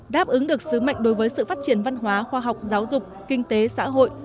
đáp ứng được sứ mệnh đối với sự phát triển văn hóa khoa học giáo dục kinh tế xã hội